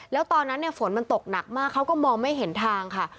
แล้วตอนนั้นฝนมันตกหนักมากเขาก็มองไม่เห็นทางค่ะ